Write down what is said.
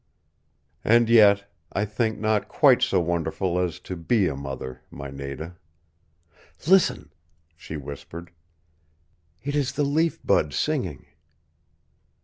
"And yet, I think, not quite so wonderful as to BE a Mother, my Nada." "Listen!" she whispered. "It is the Leaf Bud singing."